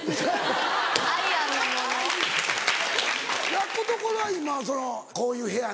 やっこのところは今はそのこういう部屋に。